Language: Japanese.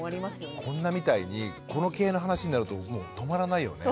こんなみたいにこの系の話になるともう止まらないよね。